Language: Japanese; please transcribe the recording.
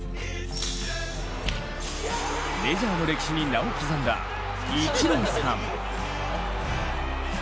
メジャーの歴史に名を刻んだイチローさん。